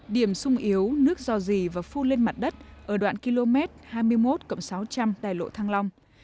điểm sung yếu nước do dì và phu lên mặt đất ở đoạn km hai mươi một sáu trăm linh tài lộ thăng long